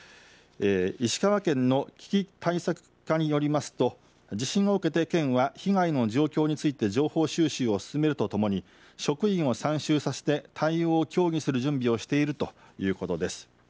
石川県の危機対策課によりますと地震を受けて県は被害の状況について情報収集を進めるとともに職員を参集させて対応を協議する準備をしているということです。